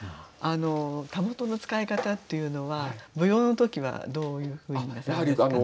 たもとの使い方っていうのは舞踊の時はどういうふうになさるんですか？